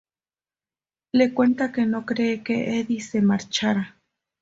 Le cuenta que no cree que Eddie se marchara.